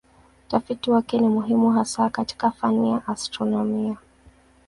Utafiti wake ni muhimu hasa katika fani ya astronomia.